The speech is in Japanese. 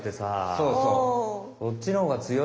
そうそう。